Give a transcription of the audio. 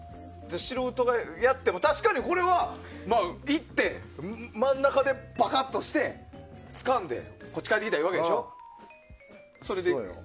素人がやっても、確かにこれはいって、真ん中でバカッとしてつかんで帰ってきたらいいわけでしょ。